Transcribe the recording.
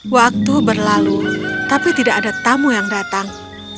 waktu berlalu tapi tidak ada tamu yang datang